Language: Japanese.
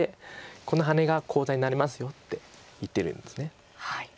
このハネがコウ材になりますよって言ってるんです。